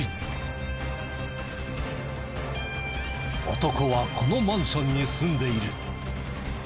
男はこのマンションに住んでいる。